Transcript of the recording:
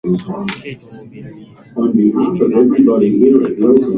賢者なのだから、その贈り物も最も賢く選ばていただろう。